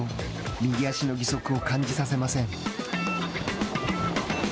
右足の義足を感じさせません。